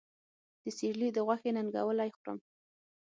د سېرلي د غوښې ننګولی خورم